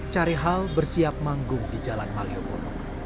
carihal bersiap manggung di jalan maliuboro